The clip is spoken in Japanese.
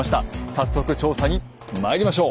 早速調査にまいりましょう！